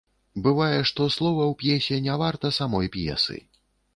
Бывае, што слова ў п'есе не варта самой п'есы.